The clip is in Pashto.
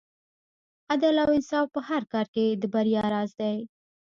عدل او انصاف په هر کار کې د بریا راز دی.